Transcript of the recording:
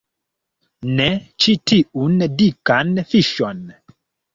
Ne, ĉi tiun dikan fiŝon